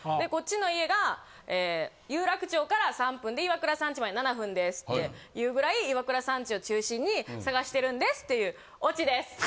こっちの家が、有楽町から３分でイワクラさんちまで７分ですっていうぐらい、イワクラさんちを中心に探してるんですっていうオチです。